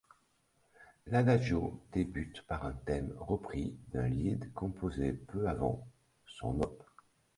L'adagio débute par un thème repris d'un Lied composé peu avant, son op.